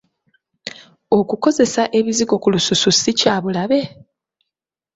Okukozesa ebizigo ku lususu ssi kya bulabe?